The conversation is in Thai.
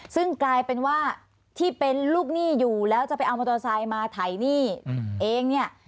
ซึ่งกลายเป็นว่าที่เป็นลูกหนี้อยู่แล้วจะไปเอามอเตอร์ไซค์มาถ่ายหนี้เองเนี่ย